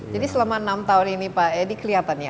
jadi selama enam tahun ini pak edi kelihatan ya